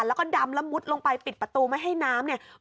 แล้วก็ดำแล้วมุดลงไปปิดประตูไม่ให้น้ำเนี่ย